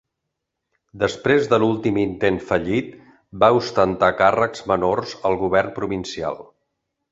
Després de l'últim intent fallit, va ostentar càrrecs menors al govern provincial.